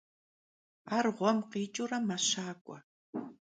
Ar ğuem khiç'ıure meşak'ue.